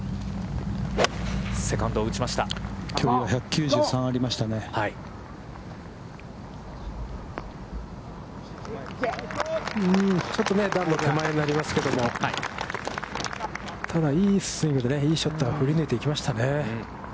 ちょっと段の手前になりますけども、ただ、いいスイングでいいショット、振り抜いていきましたね。